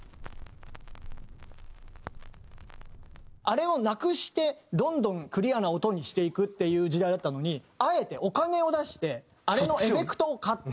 あれをなくしてどんどんクリアな音にしていくっていう時代だったのにあえてお金を出してあれのエフェクトを買ってあれを入れるんですよ。